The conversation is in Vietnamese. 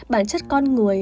bản chất con người